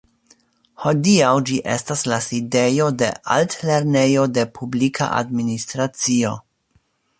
Hodiaŭ ĝi estas la sidejo de Altlernejo de Publika Administracio.